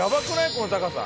この高さ。